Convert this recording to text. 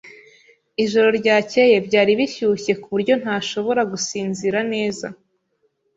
Ijoro ryakeye byari bishyushye kuburyo ntashobora gusinzira neza.